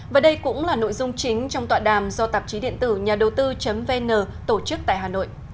và đây cũng là nội dung chính trong tọa đàm do tạp chí điện tử nhà đầu tư vn tổ chức tại hà nội